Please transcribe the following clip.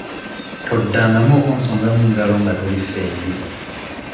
Toddangamu onkusongamu engalo nga tuli ffembi.